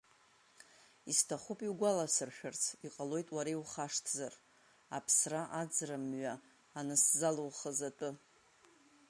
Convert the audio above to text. Исҭахуп иугәаласыршәарц, иҟалоит уара иухашҭзар, аԥсра-аӡра мҩа ансзалухыз атәы…